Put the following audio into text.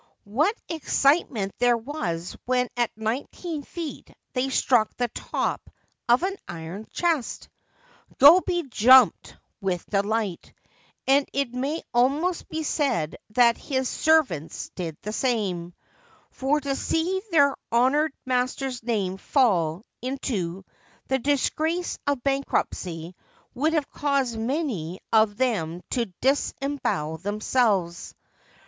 What excitement there was when at nineteen feet they struck the top of an iron chest ! Gobei jumped with delight ; and it may almost be said that his servants did the same, for to see their honoured master's name fall into the disgrace of bankruptcy would have caused many of them to disembowel themselves.